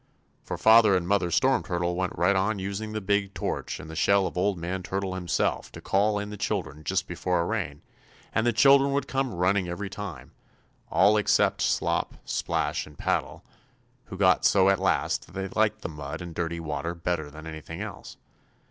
For Father and Mother Storm Turtle went right on using the big torch and the shell of Old Man Turtle Himself to call in the children just before a rain, and the children would come running every time, all except Slop, Splash and Paddle, who got so at last that they liked the mud and dirty water better than anything else.